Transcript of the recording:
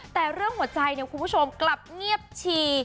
แต่เรื่องหัวใจเนี่ยคุณผู้ชมกลับเงียบชี